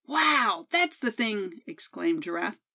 "Wow! that's the thing!" exclaimed Giraffe.